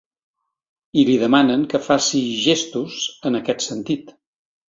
I li demanen que faci ‘gestos’ en aquest sentit.